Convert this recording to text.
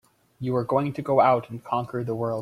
You were going to go out and conquer the world!